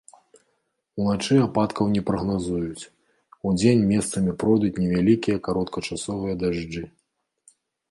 Уначы ападкаў не прагназуюць, удзень месцамі пройдуць невялікія кароткачасовыя дажджы.